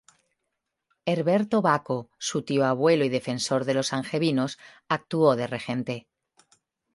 Herberto Baco, su tío-abuelo y defensor de los angevinos, actuó de regente.